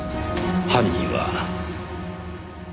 犯人は。